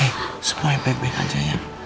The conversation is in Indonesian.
eh semuanya baik baik aja ya